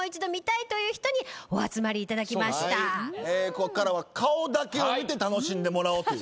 こっからは顔だけを見て楽しんでもらおうっていう。